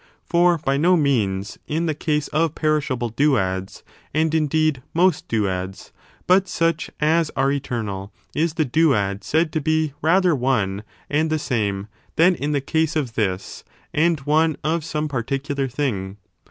for, by no means, in the case of perishable duads — and, indeed, most duads, but such as are eternal — ^is the duad said to be rather one and the same, than in the case of this and one of some particular thing.